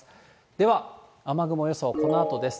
では雨雲予想、このあとです。